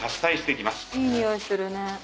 いい匂いするね。